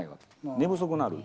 寝不足になる。